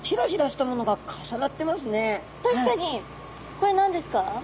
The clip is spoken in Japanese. これ何ですか？